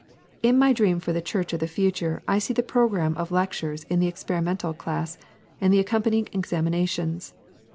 In my dream for the Church of the future I see the programme of lectures in the Experimental Class and the accompanying examinations.